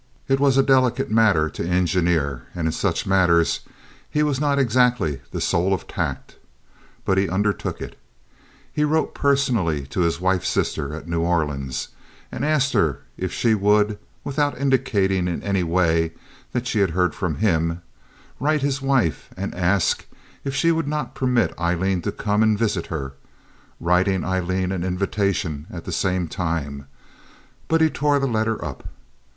It was a delicate matter to engineer, and in such matters he was not exactly the soul of tact; but he undertook it. He wrote personally to his wife's sister at New Orleans, and asked her if she would, without indicating in any way that she had heard from him, write his wife and ask if she would not permit Aileen to come and visit her, writing Aileen an invitation at the same time; but he tore the letter up.